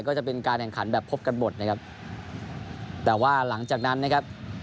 ก็จะเป็นการแข่งขันแบบพบกันหมดนะครับแต่ว่าหลังจากนั้นนะครับ